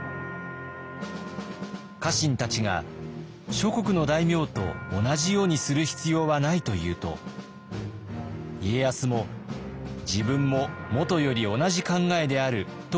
家臣たちが「諸国の大名と同じようにする必要はない」と言うと家康も「自分ももとより同じ考えである」と答えた。